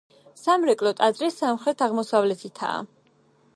სამრეკლო ტაძრის სამხრეთ-აღმოსავლეთითაა.